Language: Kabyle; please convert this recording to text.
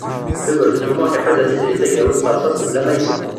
Yugurten U Muḥ iḥuza Tiziri Tagawawt s teṛsast mebla ma yenwa.